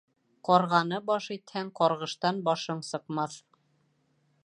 Ҡарғаны баш итһәң, ҡарғыштан башың сыҡмаҫ.